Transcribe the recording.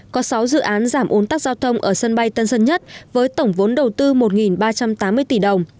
có sáu dự án giảm ồn tắc giao thông ở sân bay tân sơn nhất với tổng vốn đầu tư một ba trăm tám mươi tỷ đồng